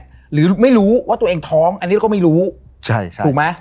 หรือไม่รู้ว่าตัวเองท้องอันนี้เราก็ไม่รู้ใช่ถูกไหม